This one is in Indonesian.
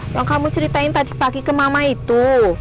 yang kamu ceritain tadi pagi ke mama itu